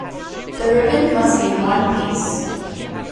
The ribbon must be in one piece.